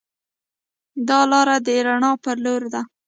دا لار د رڼا پر لور ده.